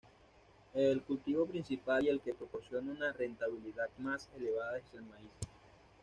El cultivo principal y el que proporciona una rentabilidad más elevada es el maíz.